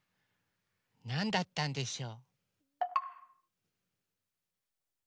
なんだったんでしょう？